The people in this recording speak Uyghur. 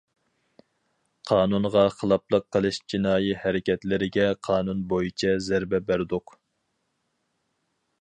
قانۇنغا خىلاپلىق قىلىش جىنايى ھەرىكەتلىرىگە قانۇن بويىچە زەربە بەردۇق.